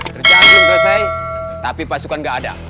kerjaan belum selesai tapi pasukan nggak ada